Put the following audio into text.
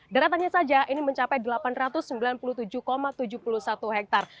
daratannya saja ini mencapai delapan ratus sembilan puluh tujuh tujuh puluh satu hektare